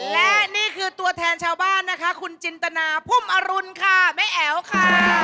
และนี่คือตัวแทนชาวบ้านนะคะคุณจินตนาพุ่มอรุณค่ะแม่แอ๋วค่ะ